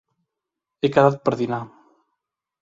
He quedat per dinar.